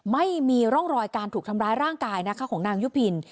ไม่มีร่องรอยการถูกทำร้ายร่างกายนะคะของนางยุพิน